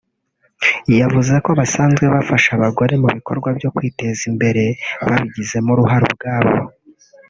yavuze ko basanzwe bafasha abagore mu bikorwa byo kwiteza imbere babigizemo uruhare ubwabo